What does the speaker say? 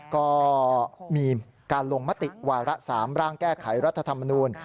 ก็มีการลงมติวาระ๓ร่างแก้ไขรัฐธรรมนูล